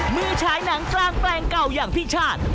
ฉายหนังกลางแปลงเก่าอย่างพี่ชาติ